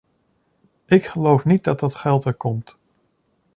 Ik geloof niet dat dat geld er komt.